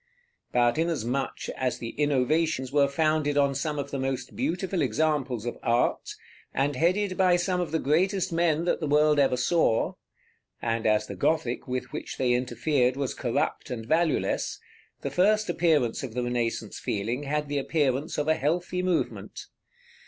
But inasmuch as the innovations were founded on some of the most beautiful examples of art, and headed by some of the greatest men that the world ever saw, and as the Gothic with which they interfered was corrupt and valueless, the first appearance of the Renaissance feeling had the appearance of a healthy movement.